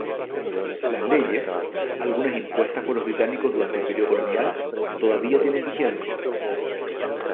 Las leyes, algunas impuestas por los británicos durante el período colonial, todavía tienen vigencia.